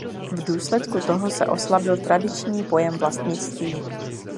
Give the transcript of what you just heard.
V důsledku toho se oslabil tradiční pojem vlastnictví.